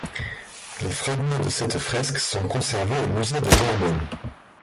Les fragments de cette fresque sont conservés au musée de Narbonne.